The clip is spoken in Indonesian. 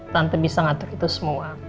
tante bisa ngatur itu semua